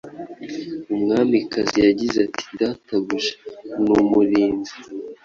Umwamikazi yagize ati Databuja numurinzi